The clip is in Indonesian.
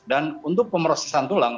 dan untuk pemrosesan tulang